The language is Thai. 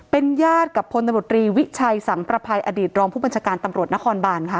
เป็นญาติกับพลตำรวจรีวิชัยสังประภัยอดีตรองผู้บัญชาการตำรวจนครบานค่ะ